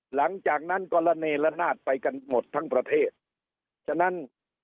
หลังจากนั้นก็ระเนละนาดไปกันหมดทั้งประเทศฉะนั้น